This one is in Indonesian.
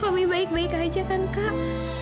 lebih baik baik aja kan kak